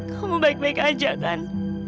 kamu baik baik aja kan